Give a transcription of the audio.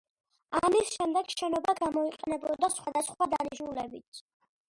ამის შემდეგ შენობა გამოიყენებოდა სხვადასხვა დანიშნულებით.